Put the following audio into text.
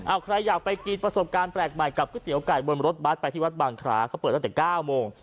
เอาใครอยากไปกินประสบการณ์แปลกใหม่กับก๋วเตี๋ยไก่บนรถบัตรไปที่วัดบางคราเขาเปิดตั้งแต่๙โมง